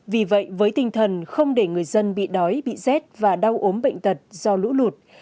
vì vậy với tinh thần không để người dân bị đói bị rét và đau ốm bệnh tật do lũ lụt